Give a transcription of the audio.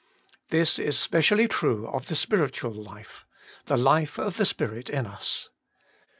This is specially true of the spiritual life — the life of the Spirit in us.